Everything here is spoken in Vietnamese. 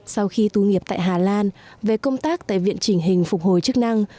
sau khi tu nghiệp tại hà lan về công tác tại viện chỉnh hình phục hồi chức năng